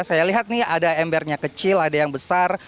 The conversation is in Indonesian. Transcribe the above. saya lihat nih ada embernya kecil ada yang besar